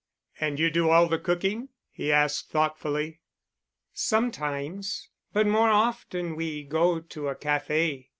"And you do all the cooking——?" he asked thoughtfully. "Sometimes—but more often we go to a café.